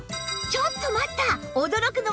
ちょっと待った！